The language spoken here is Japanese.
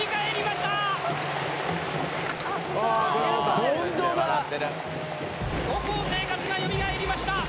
実況：高校生活がよみがえりました。